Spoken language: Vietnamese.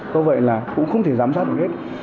do vậy là cũng không thể giám sát được hết